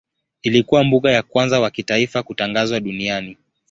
Ilikuwa mbuga ya kwanza wa kitaifa kutangazwa duniani.